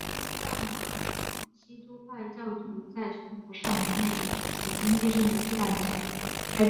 但马龙派基督教徒获得了在全国范围内以及经济上的巨大影响力。